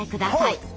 はい。